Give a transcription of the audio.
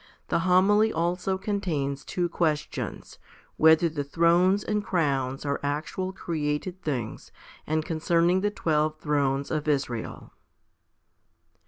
The Homily also contains two questions, whether the thrones and crowns are actual created things, and concerning the twelve thrones of Israel.